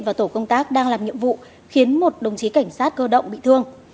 và tổ công tác đang làm nhiệm vụ khiến một đồng chí cảnh sát cơ động bị thương